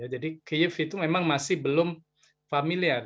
jadi kiev itu memang masih belum familiar